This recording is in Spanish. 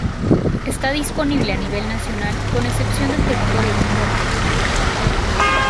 Está disponible a nivel nacional, con excepción del Territorio del Norte.